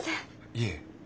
いえ。